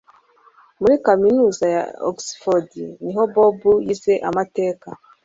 Muri kaminuza ya Oxford niho Bobo yize amateka